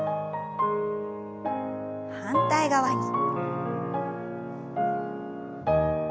反対側に。